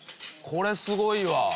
これすごいわ。